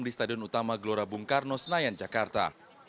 di stadion utama gelora bung karno senayan jakarta